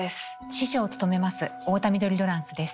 司書を務めます太田緑ロランスです。